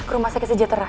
ke rumah sakit sejahtera